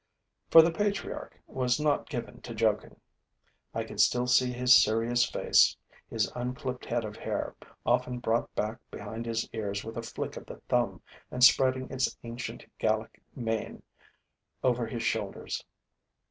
For the patriarch was not given to joking. I can still see his serious face, his unclipped head of hair, often brought back behind his ears with a flick of the thumb and spreading its ancient Gallic mane over his shoulders.